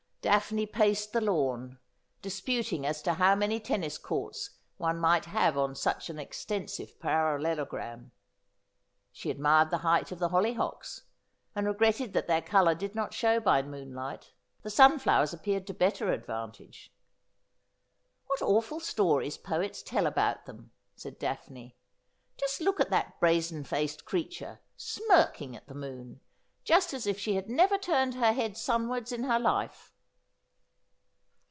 Daphne paced the lawn, disputing as to how many tennis courts one might have on such on extensive parallelogram. She admired the height of the hollyhocks, and regretted that their colour did not show by moonlight. The sunflowers appeared to better advantage. 'What awful stories poets tell about them!' said Daphne. ' Just look at that brazen faced creature, smirking at the moon ; just as if she had never turned her head sunwards in her life.'